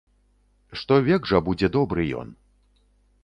Што век жа будзе добры ён!